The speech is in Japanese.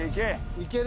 いける。